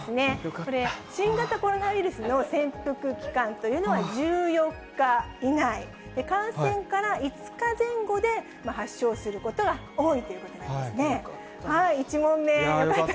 これ、新型コロナウイルスの潜伏期間というのは、１４日以内、感染から５日前後で発症することが多いということなんですね。